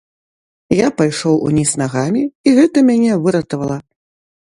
Я пайшоў уніз нагамі, і гэта мяне выратавала.